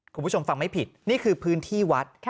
คุณผู้ชมฟังไม่ผิดนี่คือพื้นที่วัด